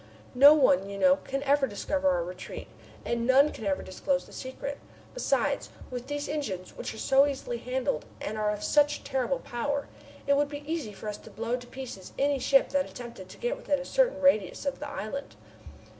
No one, you know, can ever discover our retreat, and none can ever disclose the secret! Besides, with these engines, which are so easily handled and are of such terrible power, it would be easy for us to blow to pieces any ship that attempted to get within a certain radius of the island."